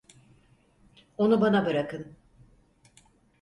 Onu bana bırakın.